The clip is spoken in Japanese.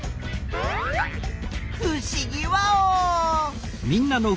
ふしぎワオ。